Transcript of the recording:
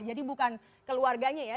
jadi bukan keluarganya ya